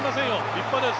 立派です。